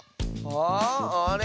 ああれ？